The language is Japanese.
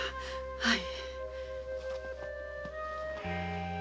はい。